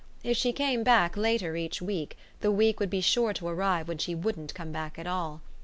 If she came back later each week the week would be sure to arrive when she wouldn't come back at all.